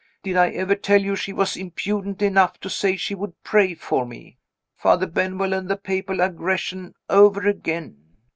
Did I ever tell you she was impudent enough to say she would pray for me? Father Benwell and the Papal Aggression over again!